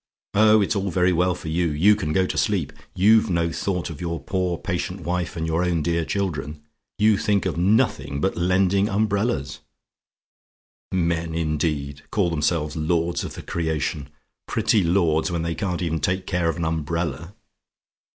Oh, it's all very well for you you can go to sleep. You've no thought of your poor patient wife, and your own dear children. You think of nothing but lending umbrellas! "Men, indeed! call themselves lords of the creation! pretty lords, when they can't even take care of an umbrella!